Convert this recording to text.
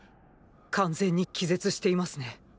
完全に気絶していますね。